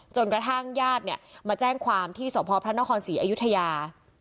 กระทั่งญาติเนี่ยมาแจ้งความที่สพพระนครศรีอยุธยา